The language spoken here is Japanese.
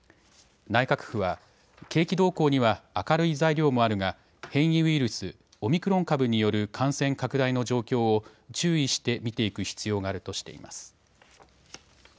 内閣府は景気動向には明るい材料もあるが変異ウイルス、オミクロン株による感染拡大の状況を注意して見ていく必要があるとしています。